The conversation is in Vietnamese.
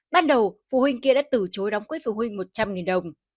ban đầu phụ huynh kia đã từ chối đóng quỹ phụ huynh một trăm linh đồng